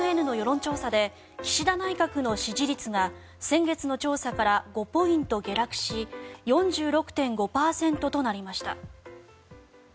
ＡＮＮの世論調査で岸田内閣の支持率が先月の調査から５ポイント下落し４６．５％となりました。